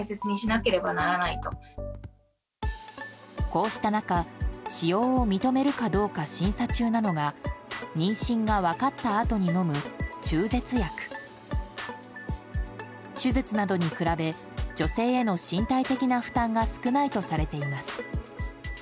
こうした中、使用を認めるかどうか審査中なのが妊娠が分かったあとに飲む中絶薬。手術などに比べ女性への身体的な負担が少ないとされています。